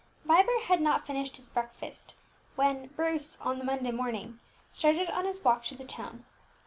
Vibert had not finished his breakfast when Bruce, on the Monday morning, started on his walk to the town.